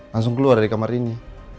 langsung keluar dari kamar ini